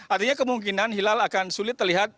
artinya kemungkinan hilal akan sulit terlihat